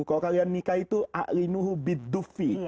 kalau kalian nikah itu a'li nuhu biddufi